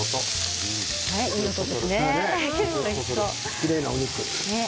きれいなお肉だ。